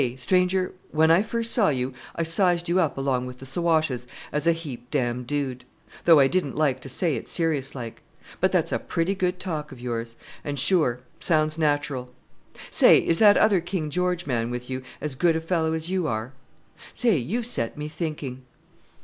stranger, when I first saw you I sized you up along with the Siwashes as a 'heap dam dood,' though I didn't like to say it serious like; but that's a pretty good talk of yours, and, sure, sounds natural. Say! is that other 'King George man' with you as good a fellow as you are? Say! you've set me thinking!"